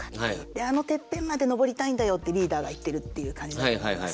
「あのてっぺんまで登りたいんだよ」ってリーダーが言ってるっていう感じだと思います。